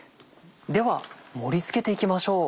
では盛り付けていきましょう。